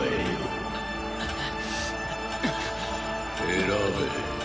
選べ。